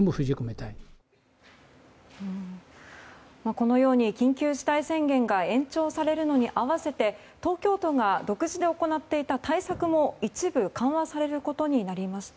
このように緊急事態宣言が延長されるのに合わせて東京都が独自で行っていた対策も一部緩和されることになりました。